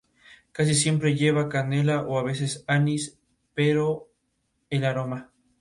De ahí, seguía por dos ramales que evitaban pasar por territorio Otomí.